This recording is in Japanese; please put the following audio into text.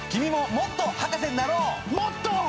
もっと！